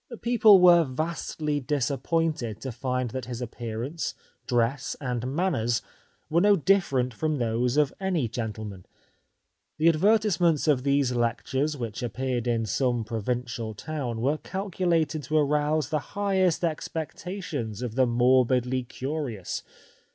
People were vastly disappointed to find that his appearance, dress, and manners were no different from those of any gentleman. The ad vertisements of these lectures which appeared in some provincial town were calculated to arouse the highest expectations of the morbidly curious.